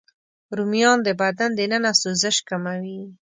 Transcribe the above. رومیان د بدن دننه سوزش کموي